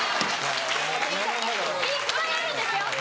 いっぱいあるんですよ！